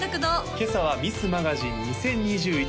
今朝はミスマガジン２０２１